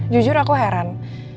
jujur aku heran